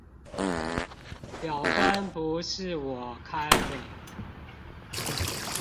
表單不是我開的